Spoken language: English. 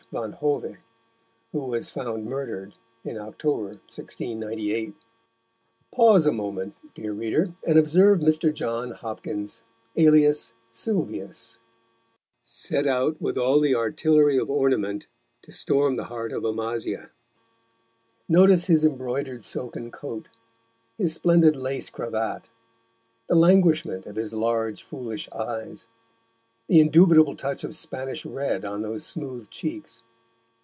van Hove, who was found murdered in October, 1698. Pause a moment, dear reader, and observe Mr. John Hopkins, alias Sylvius, set out with all the artillery of ornament to storm the heart of Amasia. Notice his embroidered silken coat, his splendid lace cravat, the languishment of his large foolish eyes, the indubitable touch of Spanish red on those smooth cheeks.